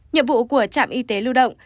nhiệm vụ của trạm y tế lưu động